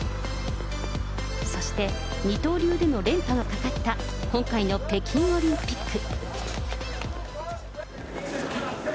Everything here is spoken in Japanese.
そして、二刀流での連覇がかかった今回の北京オリンピック。